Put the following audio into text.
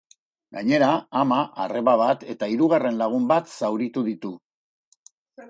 Gainera, ama, arreba bat eta hirugarren lagun bat zauritu ditu.